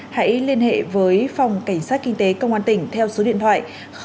hãy liên hệ với phòng cảnh sát kinh tế công an tp huế theo số điện thoại